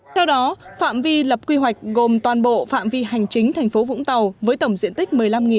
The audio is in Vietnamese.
theo đó phạm vi lập quy hoạch gồm toàn bộ phạm vi hành chính thành phố vũng tàu với tổng diện tích